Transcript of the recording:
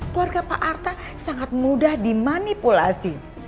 keluarga pak arta sangat mudah dimanipulasi